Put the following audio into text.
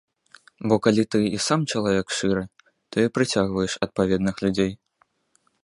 Бо калі ты сам чалавек шчыры, то і прыцягваеш адпаведных людзей.